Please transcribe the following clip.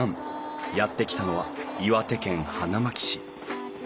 やって来たのは岩手県花巻市。